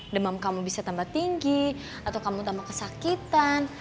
demam kamu bisa tambah tinggi atau kamu tambah kesakitan